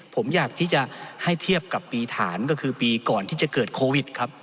ผมอยากที่จะให้เทียบกับปีฐานก็คือปีก่อนที่จะเกิดโควิดครับ